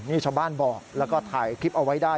นี่ชาวบ้านบอกแล้วก็ถ่ายคลิปเอาไว้ได้